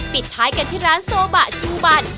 ปิดท้ายค่ะร้านโซบอะจูบาน